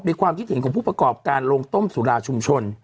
ความคิดเห็นของผู้ประกอบการโรงต้มสุราชุมชน